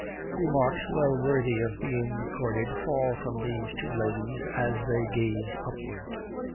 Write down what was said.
Remarks well worthy of being recorded fall from these two ladies as they gaze upward.